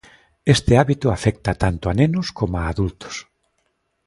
Este hábito afecta tanto a nenos coma adultos.